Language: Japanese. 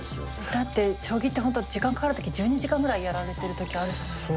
だって将棋って本当時間かかる時１２時間ぐらいやられてる時あるじゃないですか。